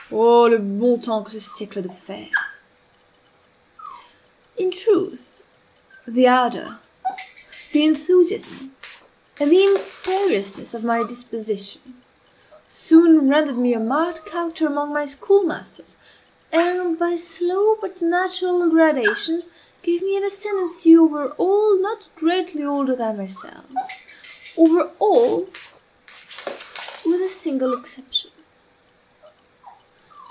"Oh, le bon temps, que ce siècle de fer!" In truth, the ardor, the enthusiasm, and the imperiousness of my disposition, soon rendered me a marked character among my schoolmates, and by slow but natural gradations gave me an ascendancy over all not greatly older than myself: over all with a single exception.